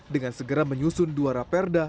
dengan segera menyusun dua raperda